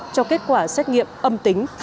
cho kết quả xét nghiệm âm tính